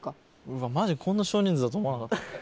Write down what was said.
うわマジこんな少人数だと思わなかった。